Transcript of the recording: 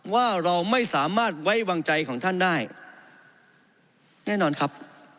ว่าเราไม่สามารถไว้วางใจของท่านได้แน่นอนครับ